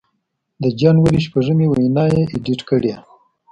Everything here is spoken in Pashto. د جنوري شپږمې وینا یې اېډېټ کړې